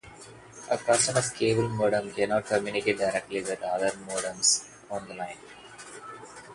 A customer's cable modem cannot communicate directly with other modems on the line.